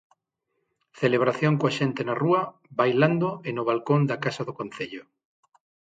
Celebración coa xente na rúa, bailando e no balcón da Casa do Concello.